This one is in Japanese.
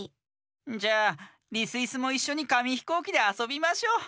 じゃあリスイスもいっしょにかみひこうきであそびましょう。